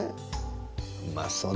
うまそうだな。